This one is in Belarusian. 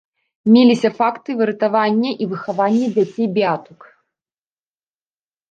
Меліся факты выратавання і выхавання дзяцей-беатук.